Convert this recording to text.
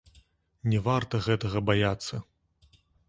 Не варта гэтага баяцца.